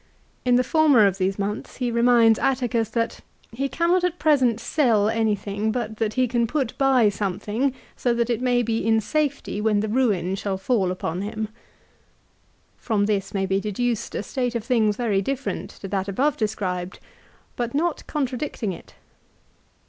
In aetat. 60. {.^Q f ormer O f these months he reminds Atticus that "he cannot at present sell anything but that he can put by something so that it may be in safety when the ruin shall fall upon him." 1 From this may be deduced a state of things very different to that above described ; but not contradicting it.